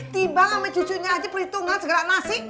ti bang sama cucunya aja perhitungan segala nasi